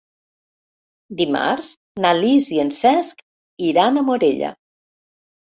Dimarts na Lis i en Cesc iran a Morella.